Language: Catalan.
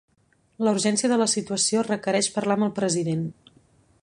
La urgència de la situació requereix parlar amb el president.